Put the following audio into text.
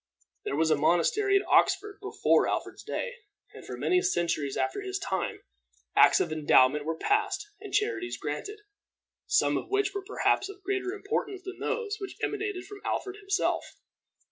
There was a monastery at Oxford before Alfred's day, and for many centuries after his time acts of endowment were passed and charters granted, some of which were perhaps of greater importance than those which emanated from Alfred himself.